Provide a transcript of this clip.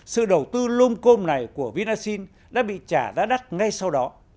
sự đầu tư lôm côm này của vinasyn đã bị trả đá đắt ngay sau đó